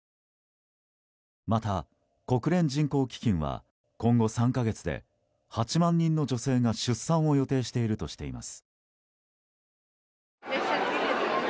また、国連人口基金は今後３か月で８万人の女性が出産を予定しているとしています。